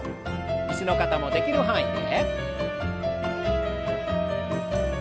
椅子の方もできる範囲で。